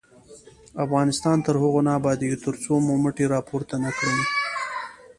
افغانستان تر هغو نه ابادیږي، ترڅو مو مټې راپورته نه کړي.